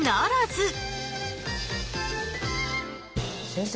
先生